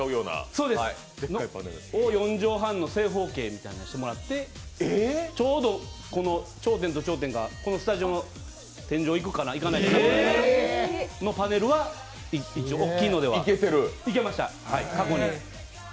そうです、４畳半の正方形みたいにしてもらって、ちょうど頂点と頂点がスタジオの天井行くか行かないかのパネルは一応、大きいのではいけました、過去に。